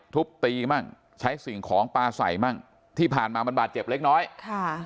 ทุบตีมั่งใช้สิ่งของปลาใส่มั่งที่ผ่านมามันบาดเจ็บเล็กน้อยค่ะ